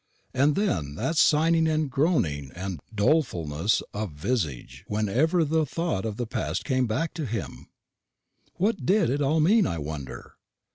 And then that sighing and groaning and dolefulness of visage whenever the thought of the past came back to him? What did it all mean, I wonder?